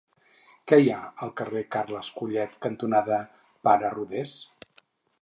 Què hi ha al carrer Carles Collet cantonada Pare Rodés?